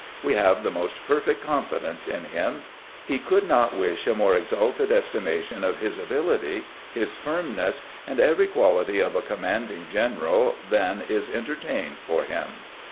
We have the most perfect confidence in him. He could not wish a more exalted estimation of his ability, his firmness, and every quality of a commanding general than is entertained for him."